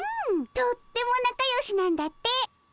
とってもなかよしなんだって。